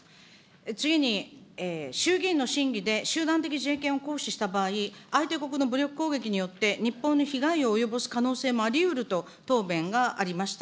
次に衆議院の審議で、集団的自衛権を行使した場合、相手国の武力攻撃によって日本に被害を及ぼす可能性もありうると答弁がありました。